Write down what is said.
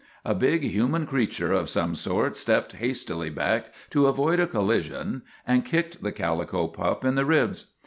A big human creature of some sort stepped hastily back to avoid a collision and kicked the calico pup in the ribs.